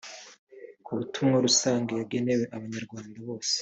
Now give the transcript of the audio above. Ku butumwa rusange yageneye Abanyarwanda bose